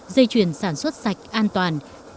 dây chuyền sản xuất sạch an toàn